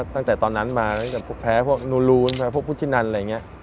ตั้งแต่ตอนนั้นมาตั้งแต่แพ้พวกนูลูนมาพวกพุทธินันอะไรอย่างนี้